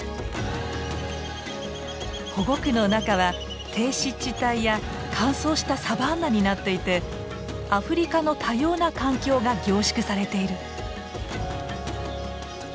保護区の中は低湿地帯や乾燥したサバンナになっていてアフリカの多様な環境が凝縮されている。